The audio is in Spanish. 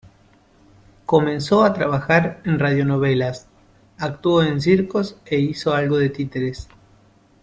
Comenzó a trabajar en radionovelas, actuó en circos e hizo algo de títeres.